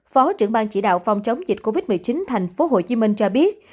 phó trưởng bang chỉ đạo phòng chống dịch covid một mươi chín tp hcm cho biết